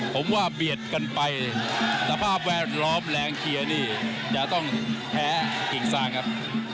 ผมว่าเบียดกันไปสภาพแวดล้อมแรงเชียร์นี่จะต้องแพ้กิ่งซางครับ